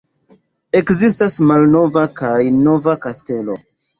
Ekzistas Malnova kaj Nova kastelo.